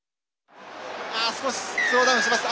ああ少しスローダウンしました。